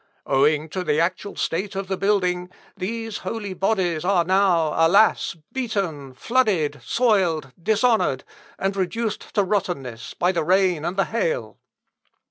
Owing to the actual state of the building, these holy bodies are now, alas! beaten, flooded, soiled, dishonoured, and reduced to rottenness, by the rain and the hail....